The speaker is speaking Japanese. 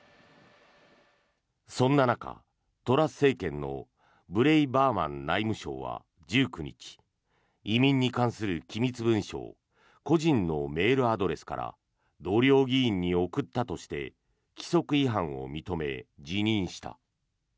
そんな中、トラス政権のブレイバーマン内務相は１９日移民に関する機密文書を個人のメールアドレスから同僚議員に送ったとして規則違反を認め、辞任した。